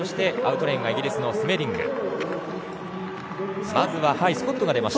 アウトレーンはイギリスのスメディング。